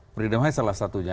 freedom house salah satunya